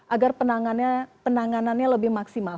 agar penanganannya lebih maksimal